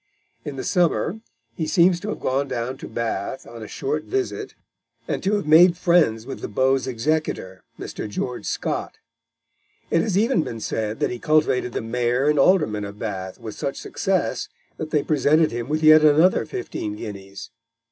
In the summer he seems to have gone down to Bath on a short visit, and to have made friends with the Beau's executor, Mr. George Scott. It has even been said that he cultivated the Mayor and Aldermen of Bath with such success that they presented him with yet another fifteen guineas.